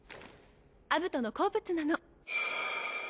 アブトの好物なの。